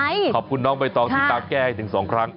หมอกิตติวัตรว่ายังไงบ้างมาเป็นผู้ทานที่นี่แล้วอยากรู้สึกยังไงบ้าง